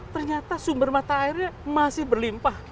ternyata sumber mata airnya masih berlimpah